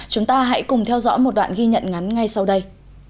chúng ta hãy cùng theo dõi một đoạn ghi nhận ngắn ngay sau đây